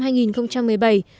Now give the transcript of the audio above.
và hiện đã không được cài đặt